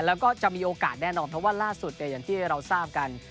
แล้วก็จะมีโอกาสแน่นอนเพราะว่าล่าสุดอย่างที่เราทราบกัน